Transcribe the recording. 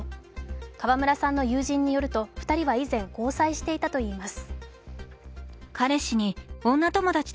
川村さんの友人によると、２人は以前、交際していたといいます。